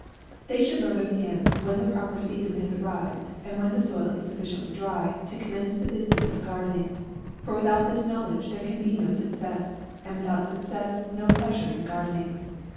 They should learn of him when the pro per season has arrived, and when the soil is sufficiently dry, to commence the business of gardening ; for without this knowledge there 44 AP&IL. can be no success, and without success, n& ' pleasure in gardening.